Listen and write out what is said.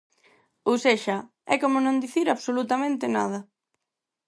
Ou sexa, é como non dicir absolutamente nada.